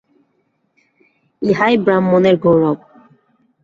ইহাই ব্রাহ্মণের গৌরব।